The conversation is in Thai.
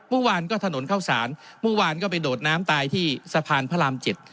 เมื่อวานก็ถนนเข้าสารเมื่อวานก็ไปโดดน้ำตายที่สะพานพระรามเจ็ด